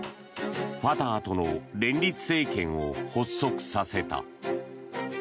ファタハとの連立政権を発足させた。